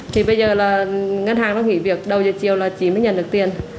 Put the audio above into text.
thì bây giờ là ngân hàng nó nghỉ việc đầu giờ chiều là chỉ mới nhận được tiền